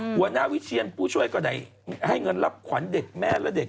หัวหน้าวิเชียนผู้ช่วยก็ได้ให้เงินรับขวัญเด็กแม่และเด็ก